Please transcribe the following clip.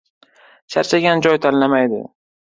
• Charchagan joy tanlamaydi.